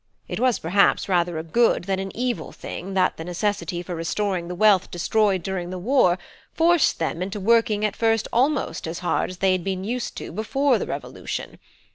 It was perhaps rather a good than an evil thing that the necessity for restoring the wealth destroyed during the war forced them into working at first almost as hard as they had been used to before the Revolution.